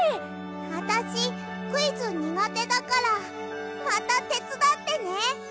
あたしクイズにがてだからまたてつだってね。